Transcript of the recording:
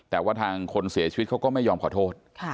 แต่ว่าทางคนเสียชีวิตเขาก็ไม่ยอมขอโทษ